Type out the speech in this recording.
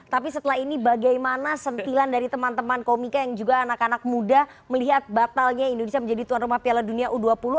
tapi setelah ini bagaimana sentilan dari teman teman komika yang juga anak anak muda melihat batalnya indonesia menjadi tuan rumah piala dunia u dua puluh